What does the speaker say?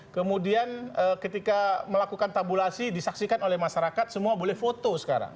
kemudian ketika melakukan tabulasi disaksikan oleh masyarakat semua boleh foto sekarang